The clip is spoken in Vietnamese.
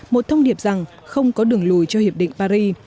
một thông điệp rằng không có đường lùi cho hiệp định paris